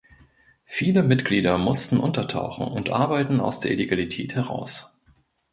Viele Mitglieder mussten untertauchen und arbeiten aus der Illegalität heraus.